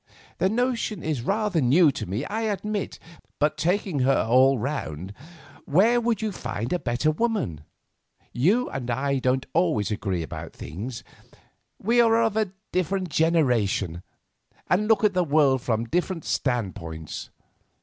The notion is rather new to me, I admit; but, taking her all round, where would you find a better woman? You and I don't always agree about things; we are of a different generation, and look at the world from different standpoints.